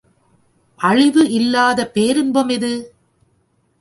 அழிவு இல்லாத பேரின்பம் எது?